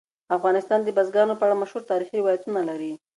افغانستان د بزګانو په اړه مشهور تاریخی روایتونه لري.